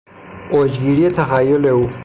اوجگیری تخیل او